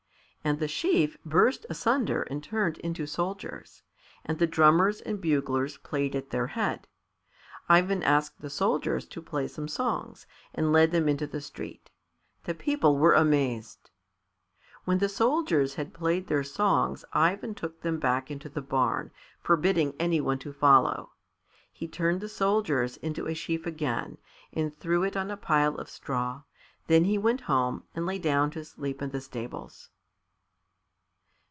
And the sheaf burst asunder and turned into soldiers, and the drummers and buglers played at their head. Ivan asked the soldiers to play some songs, and led them into the street. The people were amazed. When the soldiers had played their songs Ivan took them back into the barn, forbidding any one to follow. He turned the soldiers into a sheaf again and threw it on a pile of straw, then he went home and lay down to sleep in the stables.